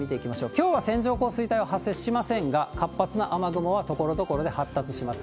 きょうは線状降水帯は発生しませんが、活発な雨雲はところどころで発達します。